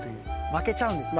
負けちゃうんですね